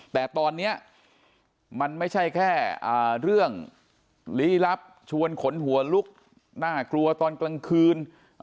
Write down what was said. แต่ตอนนี้มันไม่ใช่แค่เรื่องลี้ลับชวนขนหัวลุกน่ากลัวตอนกลางคืน